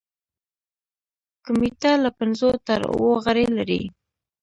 کمیټه له پنځو تر اوو غړي لري.